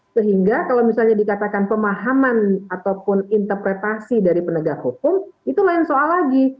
sehingga kalau misalnya dikatakan pemahaman ataupun interpretasi dari penegak hukum itu lain soal lagi